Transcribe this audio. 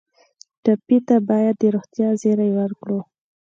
ټپي ته باید د روغتیا زېری ورکړو.